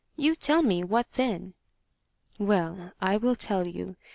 You tell me what then." "Well, I will tell you.